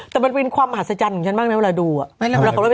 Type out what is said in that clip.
แต่มันเป็นความมหัศจรรย์ของฉันมากนะเวลาดู